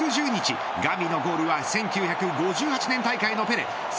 ガヴィのゴールは１９５８年大会のペレ